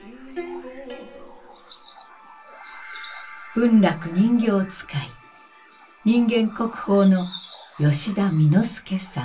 文楽人形遣い人間国宝の吉田簑助さん。